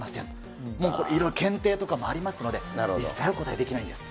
もうこれ、いろいろ検定とかもありますんで、一切お答えできないんです。